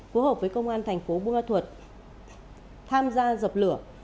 phù hợp với công an thành phố bunga thuật tham gia dập lửa